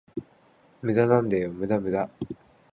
無駄なんだよ、無駄無駄